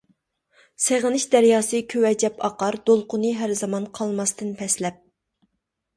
سېغىنىش دەرياسى كۆۋەجەپ ئاقار، دولقۇنى ھەر زامان قالماستىن پەسلەپ.